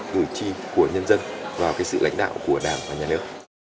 của cử tri của nhân dân và cái sự lãnh đạo của đảng và nhà nước